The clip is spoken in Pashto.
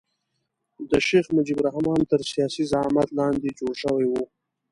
د شیخ مجیب الرحمن تر سیاسي زعامت لاندې جوړ شوی وو.